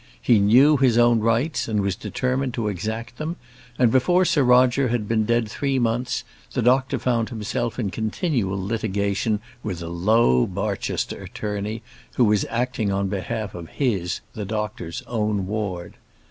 He knew his own rights and was determined to exact them; and before Sir Roger had been dead three months, the doctor found himself in continual litigation with a low Barchester attorney, who was acting on behalf of his, the doctor's, own ward.